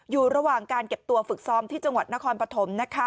อยู่ระหว่างการเก็บตัวฝึกซ้อมที่จังหวัดนครปฐมนะคะ